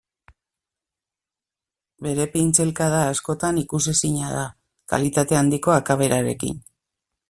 Bere pintzelkada askotan ikusezina da, kalitate handiko akaberarekin.